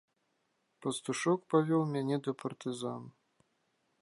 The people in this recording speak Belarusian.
Пастушок павёў мяне да партызан.